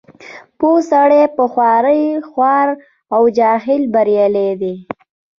پوه سړی په خوارۍ خوار او جاهل بریالی دی.